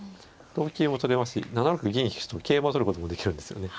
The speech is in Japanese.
同金も取れますし７六銀引と桂馬を取ることもできるんですよね。